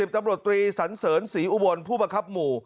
ตำรวจตรีสันเสริญศรีอุบลผู้บังคับหมู่